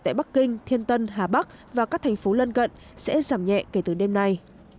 tại bắc kinh thiên tân hà bắc và các thành phố lân cận sẽ giảm nhẹ kể từ đêm nay